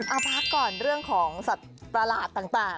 เอาพักก่อนเรื่องของสัตว์ประหลาดต่าง